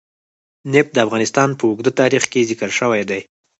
نفت د افغانستان په اوږده تاریخ کې ذکر شوی دی.